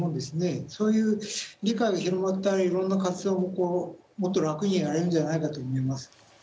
そういう理解が広がったらいろんな活動もこうもっと楽にやれるんじゃないかと思います。